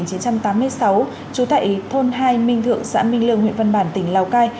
năm một nghìn chín trăm tám mươi sáu chú thạy thôn hai minh thượng xã minh lương huyện văn bản tỉnh lào cai